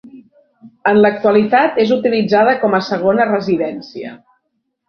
En l'actualitat és utilitzada com a segona residència.